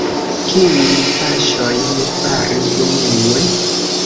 Kiujn paŝojn fari unue?